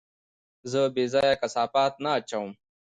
زه بېځايه کثافات نه اچوم.